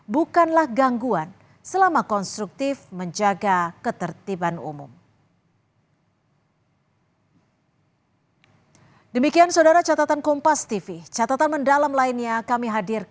bukanlah gangguan selama konstruktif menjaga ketertiban umum